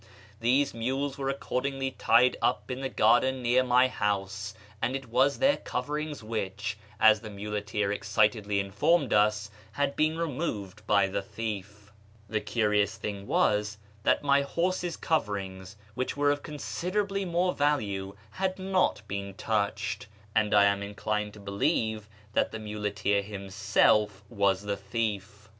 These mules were accordingly tied up in the garden near my horse, and it was their coverings which, as the muleteer excitedly informed us, had been removed by the thief The curious thing was that my horse's coverings, which were of considerably more value, had not been touched, and I am inclined to believe that the muleteer himself was the thief.